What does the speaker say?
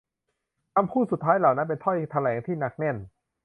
คำพูดสุดท้ายเหล่านั้นเป็นถ้อยแถลงที่หนักแน่น